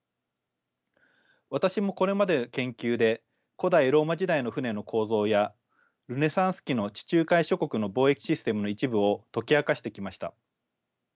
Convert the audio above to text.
私もこれまでの研究で古代ローマ時代の船の構造やルネサンス期の地中海諸国の貿易システムの一部を解き明かしてきました。